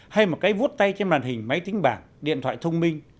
hay một cái vút tay trên màn hình máy tính bảng điện thoại thông minh